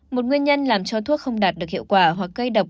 một nguyên nhân làm cho thuốc không đạt được hiệu quả hoặc gây độc